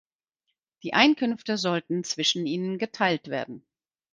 Die Einkünfte sollten zwischen ihnen geteilt werden.